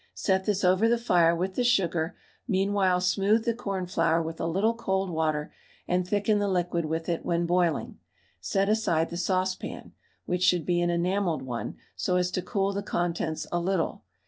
Set this over the fire with the sugar; meanwhile smooth the cornflour with a little cold water, and thicken the liquid with it when boiling. Set aside the saucepan, (which should be an enamelled one) so as to cool the contents a little.